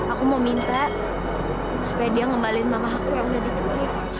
aku mau minta supaya dia ngembalin mama aku yang udah dicuri